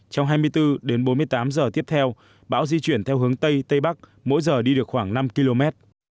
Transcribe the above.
trong hai mươi bốn đến bốn mươi tám giờ tiếp theo bão di chuyển theo hướng tây tây bắc mỗi giờ đi được khoảng năm km